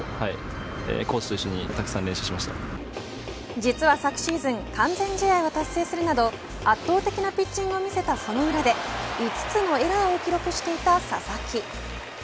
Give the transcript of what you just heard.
実は昨シーズン完全試合を達成するなど圧倒的なピッチングを見せたその裏で５つのエラーを記録していた佐々木。